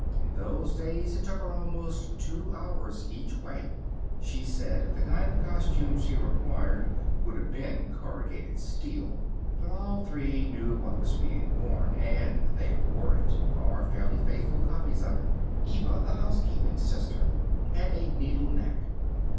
In those days it took her almost two hours each way. She said the kind of costume she required should have been corrugated steel. But all three knew what was being worn, and they wore it or fairly faithful copies of it. Eva, the housekeeping sister, had a needle knack.